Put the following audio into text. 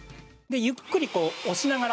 ゆっくりこう押しながら。